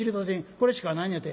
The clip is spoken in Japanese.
これしかないんやて」。